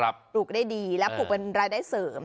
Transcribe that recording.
ปลูกได้ดีและปลูกเป็นรายได้เสริม